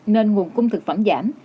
nên nguồn cung thực phẩm giảm